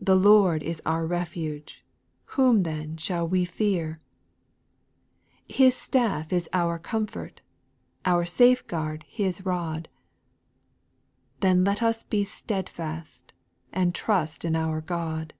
The Lord is our refuge,— whom then shall we fearf SPIRITUAL SONGS, 81 His staff is our comfort, our safe guard His rod; Then let us be steadfast, and trust in our God.